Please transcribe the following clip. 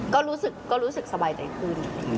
ก็รู้สึกสบายใจขึ้น